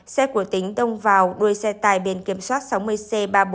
xe của tính tông vào đuôi xe tài biển kiểm soát sáu mươi c ba mươi bốn nghìn năm trăm một mươi ba